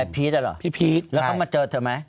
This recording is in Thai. พี่พีชแล้วเขามาเจอเธอไหม